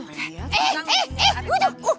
eh eh eh ngucap